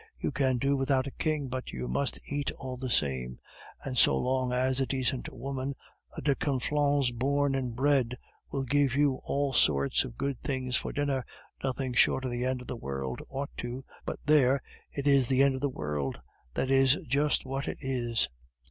You can do without a king, but you must eat all the same; and so long as a decent woman, a de Conflans born and bred, will give you all sorts of good things for dinner, nothing short of the end of the world ought to but there, it is the end of the world, that is just what it is!"